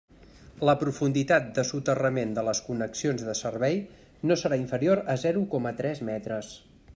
La profunditat de soterrament de les connexions de servei no serà inferior a zero coma tres metres.